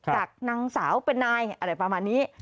จากนางสาวเป็นนายอะไรประมาณนี้